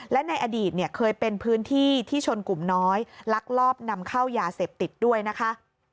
และในอดีตเนี่ยเคยเป็นพื้นที่ที่ชนกลุ่มน้อยลักลอบนำเข้ายาเสพติดด้วยนะคะ